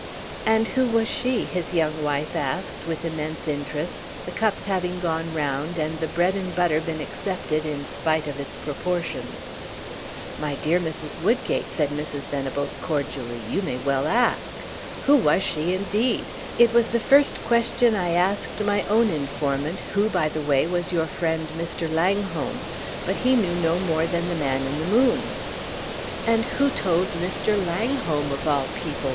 "And who was she?" his young wife asked with immense interest, the cups having gone round, and the bread and butter been accepted in spite of its proportions. "My dear Mrs. Woodgate," said Mrs. Venables, cordially, "you may well ask! Who was she, indeed! It was the first question I asked my own informant, who, by the way, was your friend, Mr. Langholm; but he knew no more than the man in the moon." "And who told Mr. Langholm, of all people?"